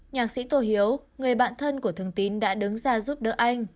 nhạc sĩ tô hiếu người bạn thân của thương tín đã đứng ra giúp đỡ anh